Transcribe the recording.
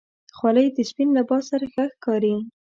خولۍ د سپین لباس سره ښه ښکاري.